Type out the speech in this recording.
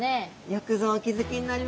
よくぞお気付きになりました。